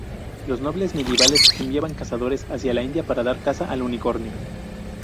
Los nobles medievales enviaban cazadores hacia la India para dar caza al unicornio.